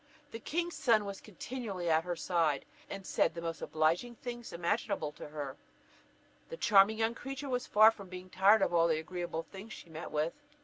The king's son was continually by her side, and said the most obliging things imaginable to her. The charming young creature was far from being tired of all the agreeable things she met with.